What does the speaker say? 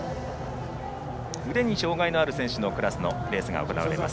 腕に障がいのある選手のクラスのレースが行われます。